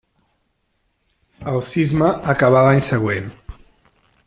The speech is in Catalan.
El cisma acabà l'any següent.